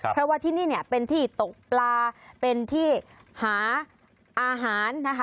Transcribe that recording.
เพราะว่าที่นี่เนี่ยเป็นที่ตกปลาเป็นที่หาอาหารนะคะ